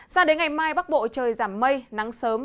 sao đến ngày mai bắc bộ trời giảm mây nắng sớm